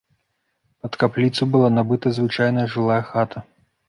Пад капліцу была набыта звычайная жылая хата.